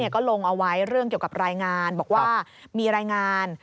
ก็ลงเอาไว้เรื่องเกี่ยวกับรายงานบอกว่ามีรายงาน